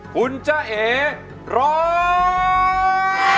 คุณจ้าเอ๋ร้อง